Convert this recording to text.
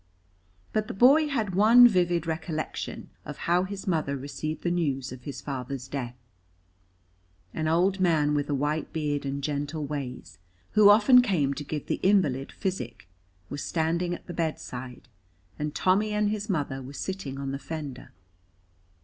But the boy had one vivid recollection of how his mother received the news of his father's death. An old man with a white beard and gentle ways, who often came to give the invalid physic, was standing at the bedside, and Tommy and his mother were sitting on the fender.